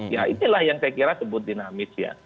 ya inilah yang saya kira sebut dinamis ya